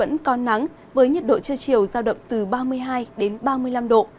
nền nhiệt còn nắng với nhiệt độ trưa chiều giao động từ ba mươi hai đến ba mươi năm độ